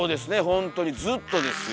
ほんとにずっとですよ。